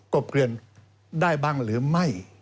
บเกลือนได้บ้างหรือไม่